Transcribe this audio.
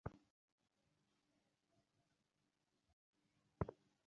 ওর শরীর আর মন দুই-ই সমান শক্তিশালী।